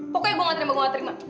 pokoknya gue gak terima gue gak terima